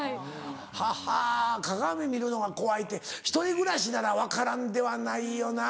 はっはぁ鏡見るのが怖いって１人暮らしなら分からんではないよな。